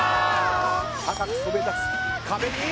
高くそびえ立つ壁に。